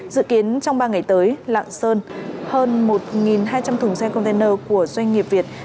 dự kiến trong ba ngày tới lạng sơn hơn một hai trăm linh thùng xe container của doanh nghiệp việt